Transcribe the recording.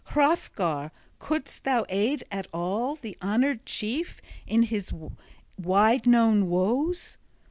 Hrothgar couldst thou aid at all, the honored chief, in his wide known woes?